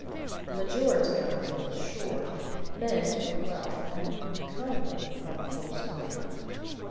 The majority, I feel sure, meant but well and kindly by the poor survivor.